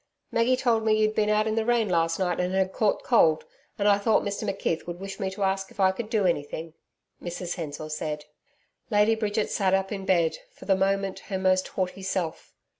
'Maggie told me you'd been out in the rain last night, and had caught cold, and I thought Mr McKeith would wish me to ask if I could do anything,' Mrs Hensor said. Lady Bridget sat up in bed, for the moment her most haughty self.